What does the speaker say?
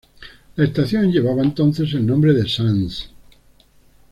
La estación llevaba entonces el nombre de Sans.